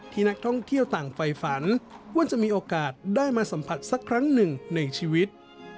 นักท่องเที่ยวต่างไฟฝันว่าจะมีโอกาสได้มาสัมผัสสักครั้งหนึ่งในชีวิต